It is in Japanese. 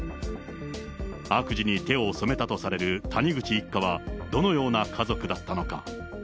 悪事に手を染めたとされる谷口一家はどのような家族だったのか。